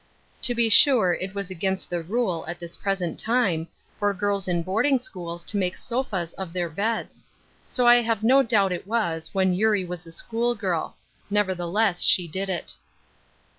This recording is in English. To be sure it is against the rule, at this present time, for giiis in boarding schools to make sofas of their beds. So I have no doubt it was, when Eurie was a school girl ; nevertheless, she did it.